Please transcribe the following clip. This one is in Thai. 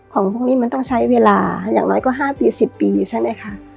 ของพวกนี้มันต้องใช้เวลาอย่างน้อยก็๕ปี๑๐ปีใช่ไหมคะ